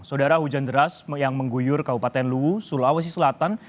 saudara hujan deras yang mengguyur kabupaten luwu sulawesi selatan